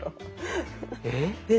えっ⁉